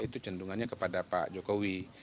itu cendungannya kepada pak jokowi